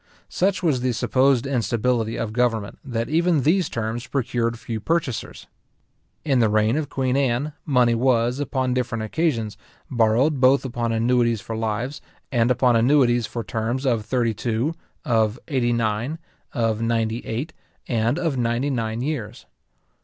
Such was the supposed instability of government, that even these terms procured few purchasers. In the reign of queen Anne, money was, upon different occasions, borrowed both upon annuities for lives, and upon annuities for terms of thirty two, of eighty nine, of ninety eight, and of ninety nine years.